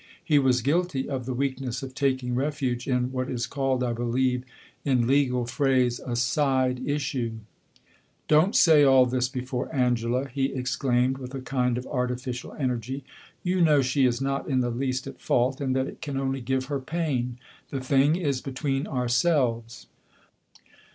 He was guilty of the weakness of taking refuge in what is called, I believe, in legal phrase, a side issue. "Don't say all this before Angela!" he exclaimed, with a kind of artificial energy. "You know she is not in the least at fault, and that it can only give her pain. The thing is between ourselves."